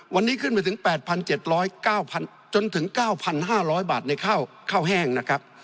วันนี้ขึ้นไปถึง๘๗๐๙๐๐จนถึง๙๕๐๐บาทในข้าวแห้งนะครับ